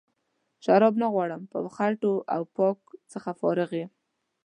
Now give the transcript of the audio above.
شراب نه غواړم له خټو او پاک څخه فارغ یم.